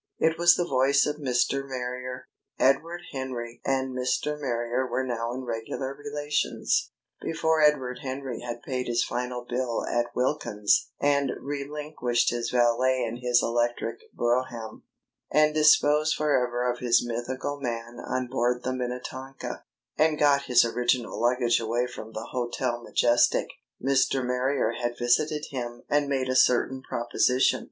It was the voice of Mr. Marrier. Edward Henry and Mr. Marrier were now in regular relations. Before Edward Henry had paid his final bill at Wilkins's and relinquished his valet and his electric brougham, and disposed forever of his mythical "man" on board the Minnetonka, and got his original luggage away from the Hotel Majestic, Mr. Marrier had visited him and made a certain proposition.